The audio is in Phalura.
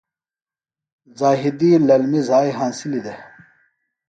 ذاہدی للمیۡ زھائی ہنسِلیۡ دےۡ۔